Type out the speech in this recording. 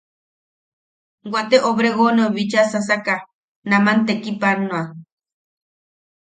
Wate Obregoneu bicha sasaka naman tekipanoa.